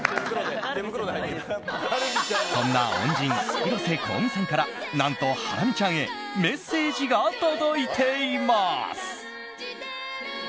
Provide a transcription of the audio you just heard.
そんな恩人、広瀬香美さんから何とハラミちゃんへメッセージが届いています。